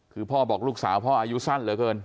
คือพ่อบอกลูกสาวพ่ออายุสั้นเหลือเกิน